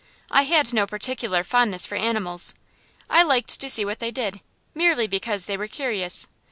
I had no particular fondness for animals; I liked to see what they did, merely because they were curious.